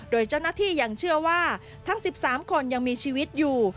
โดยเจ้าหน้าที่ยังเชื่อว่าทั้ง๑๓คนยังมีชีวิตอยู่